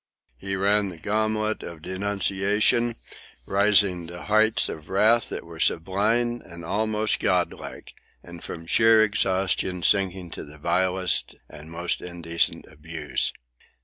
He ran the gamut of denunciation, rising to heights of wrath that were sublime and almost Godlike, and from sheer exhaustion sinking to the vilest and most indecent abuse.